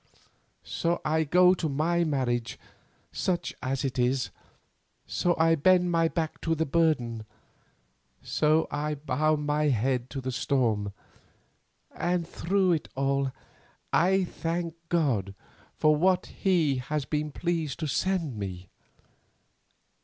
... So I go to my marriage, such as it is, so I bend my back to the burden, so I bow my head to the storm, and through it all I thank God for what He has been pleased to send me.